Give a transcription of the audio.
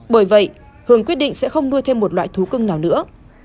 bởi vậy hường quyết định sẽ không nuôi thêm một loại thú cưng nào nữa